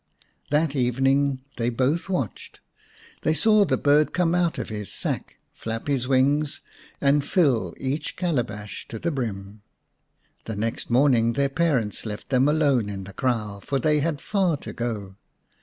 That evening they both watched ; they saw the bird corne out of his sack, flap his wings, and fill each calabash to the brim. The next morning their parents left them alone in the kraal, for they had far to go.